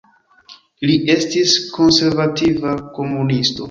Li estis konservativa komunisto.